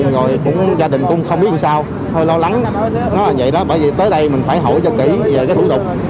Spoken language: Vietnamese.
gia đình cũng không biết làm sao hơi lo lắng nói là vậy đó bởi vì tới đây mình phải hỏi cho kỹ về cái thủ tục